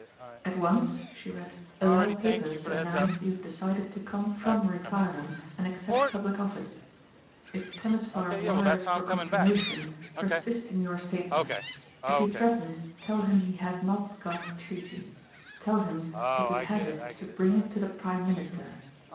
"At once," she read, "allow papers to announce you have decided to come from retirement and accept public office. If Temesvar wires for confirmation persist in your statement. If he threatens tell him he has not got treaty. Tell him if he has it to bring it to the prime minister.